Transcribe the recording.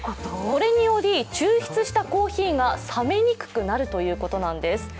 これにより抽出したコーヒーが冷めにくくなるということなんです。